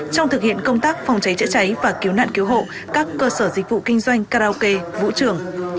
trong thực hiện công tác phòng cháy chữa cháy và cứu nạn cứu hộ các cơ sở dịch vụ kinh doanh karaoke vũ trường